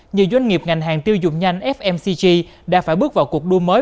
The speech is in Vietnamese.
nhiều doanh nghiệp ngành hàng tiêu dùng nhanh fmcg đã phải bước vào cuộc đua mới